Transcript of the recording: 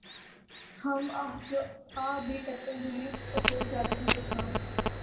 ہم آہ بھی کرتے ہیں تو ہو جاتے ہیں بدنام۔